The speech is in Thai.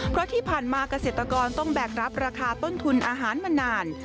เพราะที่ผ่านมาเกษตรกรต้องแบกรับราคาต้นทุนอาหารมานาน